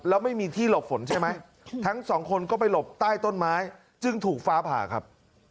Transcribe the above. แล้วไม่มีที่หลบฝนใช่ไหมทั้งสองคนก็ไปหลบใต้ต้นไม้จึงถูกฟ้าผ่าครับ